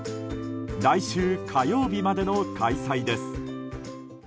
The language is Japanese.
来週火曜日までの開催です。